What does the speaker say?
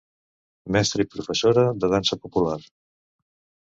Mestra i professora de dansa popular.